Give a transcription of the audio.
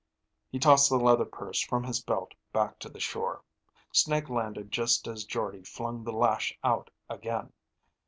He tossed the leather purse from his belt back to the shore. Snake landed just as Jordde flung the lash out again.